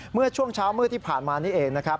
เมื่อช่วงเช้ามืดที่ผ่านมานี่เองนะครับ